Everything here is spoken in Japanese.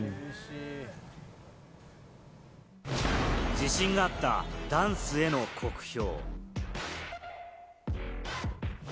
自信があったダンスへの酷評。